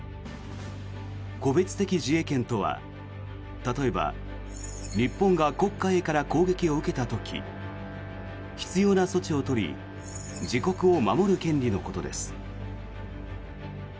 個別的自衛権とは例えば、日本が国家Ａから攻撃を受けた時必要な措置を取り自国を守る権利のことです。